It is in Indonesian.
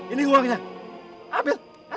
ini uangnya ambil